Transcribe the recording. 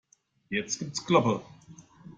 Jetzt gibt es Kloppe.